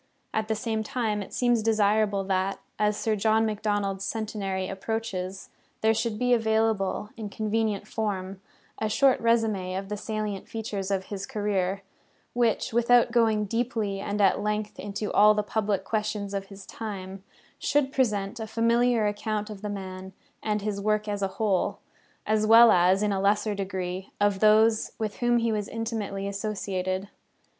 At the same time, it seems desirable that, as Sir John Macdonald's centenary approaches, there should be available, in convenient form, a short résumé of the salient features of his {viii} career, which, without going deeply and at length into all the public questions of his time, should present a familiar account of the man and his work as a whole, as well as, in a lesser degree, of those with whom he was intimately associated.